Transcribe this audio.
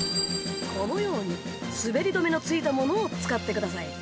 このようにすべり止めのついたものを使ってください。